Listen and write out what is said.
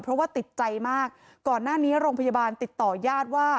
เพราะว่าติดใจมากก่อนหน้านี้โรงพยาบาลติดต่อญาติว่า